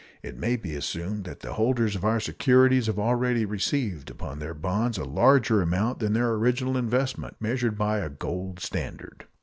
It may be assumed that the holders of our securities have already received upon their bonds a larger amount than their original investment, measured by a gold standard.